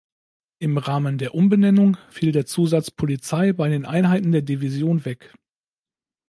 Im Rahmen der Umbenennung fiel der Zusatz "Polizei" bei den Einheiten der Division weg.